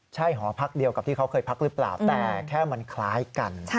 ใช่หอพักเดียวกับที่เขาเคยพักหรือเปล่าแต่แค่มันคล้ายกัน